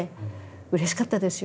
うれしかったですよ。